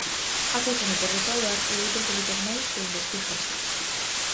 Acúsano por defraudar e outros delitos máis que investíganse.